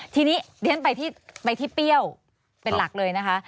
ทีนี้เรียนไปที่เปรี้ยวเป็นหลักเลยนะคะ